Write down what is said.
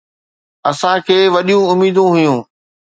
اسان کي وڏيون اميدون هيون